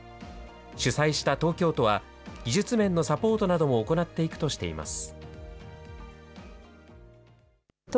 主催した東京都は、技術面のサポートなども行っていくとしています。